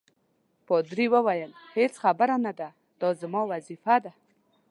پادري وویل: هیڅ خبره نه ده، دا زما وظیفه ده.